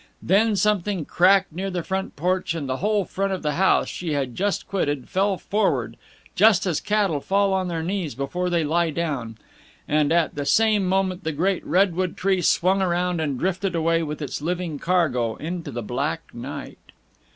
Then something cracked near the front porch, and the whole front of the house she had just quitted fell forward just as cattle fall on their knees before they lie down and at the same moment the great redwood tree swung round and drifted away with its living cargo into the black night.